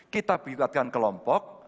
kita buatkan kelompok